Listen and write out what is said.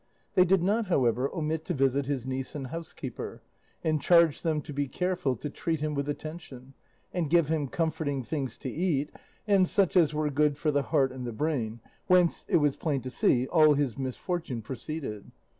They did not, however, omit to visit his niece and housekeeper, and charge them to be careful to treat him with attention, and give him comforting things to eat, and such as were good for the heart and the brain, whence, it was plain to see, all his misfortune proceeded.